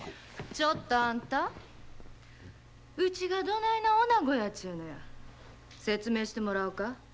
ちょっとあんたうちがどないなおなごやちゅうのや説明してもらおうか